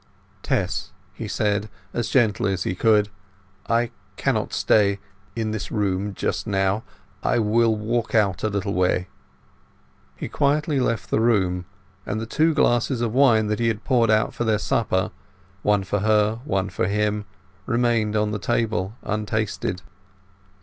"Tess," he said, as gently as he could speak, "I cannot stay—in this room—just now. I will walk out a little way." He quietly left the room, and the two glasses of wine that he had poured out for their supper—one for her, one for him—remained on the table untasted.